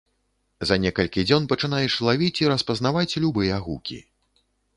За некалькі дзён пачынаеш лавіць і распазнаваць любыя гукі.